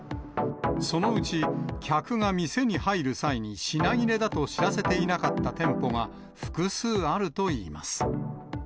そのうち、客が店に入る際に品切れだと知らせていなかった店舗が複数あるといいます。